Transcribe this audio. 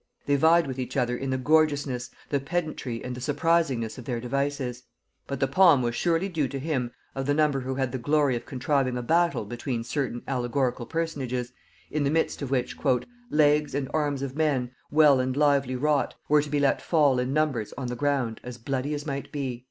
They vied with each other in the gorgeousness, the pedantry and the surprisingness of their devices; but the palm was surely due to him of the number who had the glory of contriving a battle between certain allegorical personages, in the midst of which, "legs and arms of men, well and lively wrought, were to be let fall in numbers on the ground as bloody as might be."